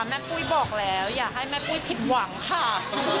ปุ้ยบอกแล้วอย่าให้แม่ปุ้ยผิดหวังค่ะ